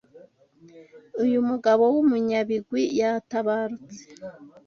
Uyu mugabo w’umunyabigwi yatabarutse